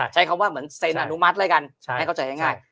ใช้คำว่าเหมือนเซ็นอนุมัติแล้วกันให้เข้าใจง่าย